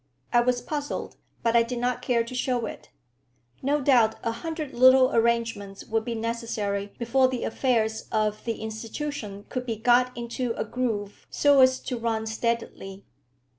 I was puzzled, but I did not care to show it. No doubt a hundred little arrangements would be necessary before the affairs of the institution could be got into a groove so as to run steadily.